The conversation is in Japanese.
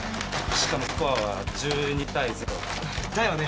しかもスコアは１２対０。だよね？